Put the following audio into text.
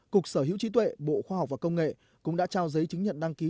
cục sở hữu trí tuệ bộ khoa học và công nghệ cũng đã trao giấy chứng nhận đăng ký